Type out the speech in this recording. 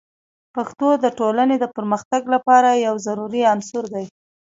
پښتو د ټولنې د پرمختګ لپاره یو ضروري عنصر دی.